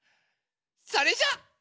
それじゃあ。